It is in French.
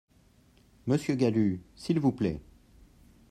Monsieur Galut, s’il vous plaît